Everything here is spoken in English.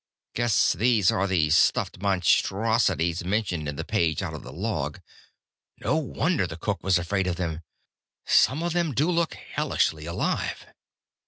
Guess these are the 'stuffed monstrosities' mentioned in the page out of the log. No wonder the cook was afraid of them. Some of then do look hellishly alive!"